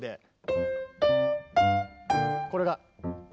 これが。